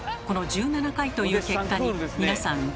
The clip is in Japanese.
この１７回という結果に皆さん